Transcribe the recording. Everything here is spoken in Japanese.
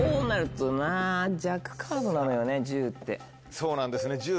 そうなんですね１０